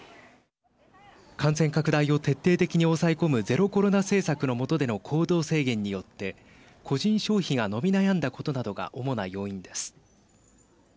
感染拡大を徹底的に抑え込むゼロコロナ政策の下での行動制限によって個人消費が伸び悩んだことなどが主な要因です。